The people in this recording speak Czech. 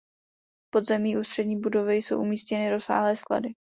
V podzemí ústřední budovy jsou umístěny rozsáhlé sklady.